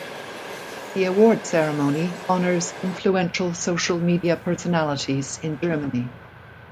The award ceremony honors influential social media personalities in Germany.